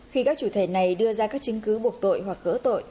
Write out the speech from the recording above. khi các chủ thể này đưa ra các chứng cứ buộc tội hoặc gỡ tội